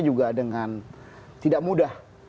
juga dengan tidak mudah